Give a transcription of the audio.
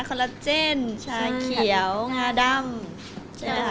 ครอเลสเจนชาเขียวงาดำ